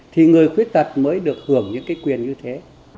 thì người khuyết tật mới được hưởng những quyền như thế